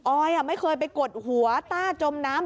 อยไม่เคยไปกดหัวต้าจมน้ำ